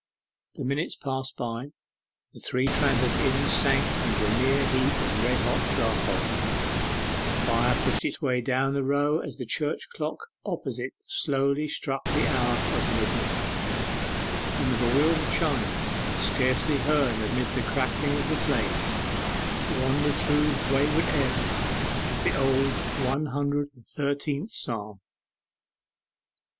The minutes passed by. The Three Tranters Inn sank into a mere heap of red hot charcoal: the fire pushed its way down the row as the church clock opposite slowly struck the hour of midnight, and the bewildered chimes, scarcely heard amid the crackling of the flames, wandered through the wayward air of the Old Hundred and Thirteenth Psalm.